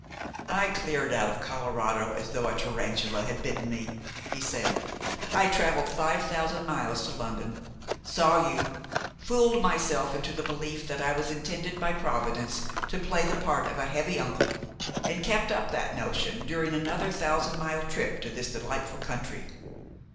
"I cleared out of Colorado as though a tarantula had bitten me," he said. "I traveled five thousand miles to London, saw you, fooled myself into the belief that I was intended by Providence to play the part of a heavy uncle, and kept up that notion during another thousand mile trip to this delightful country.